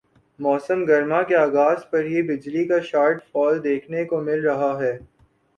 موسم گرما کے آغاز پر ہی بجلی کا شارٹ فال دیکھنے کو مل رہا ہے